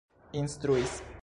instruis